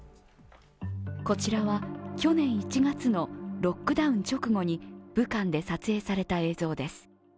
こちらは去年１月のロックダウン直後に武漢で撮影された映像です。